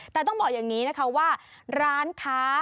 แต่ต้องบอกอย่างนี้นะคะว่าร้านค้า